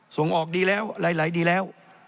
ส่งออกดีแล้วไหลดีแล้ว